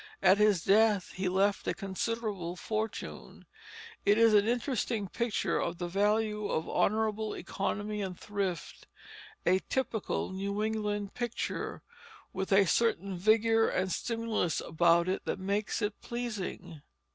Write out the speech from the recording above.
At his death he left a considerable fortune. It is an interesting picture of the value of honorable economy and thrift; a typical New England picture, with a certain vigor and stimulus about it that makes it pleasing.